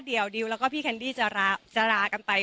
เดี๋ยวดิวแล้วก็พี่แคนดี้จะลากันไป